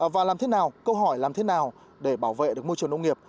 và làm thế nào câu hỏi làm thế nào để bảo vệ được môi trường nông nghiệp